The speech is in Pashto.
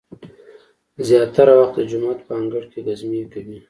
زیاتره وخت د جومات په انګړ کې ګزمې کوي.